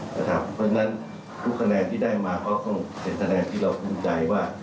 เพราะฉะนั้นคลุมแหน่งที่ได้มาก็เป็นแสนแทนที่เราควบคุมใจว่า